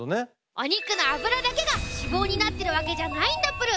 お肉の脂だけが脂肪になってるわけじゃないんだプル。